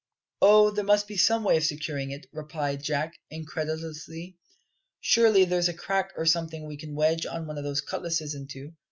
"Oh, there must be some way of securing it," replied Jack incredulously, "Surely there's a crack or something we can wedge one of the cutlasses into.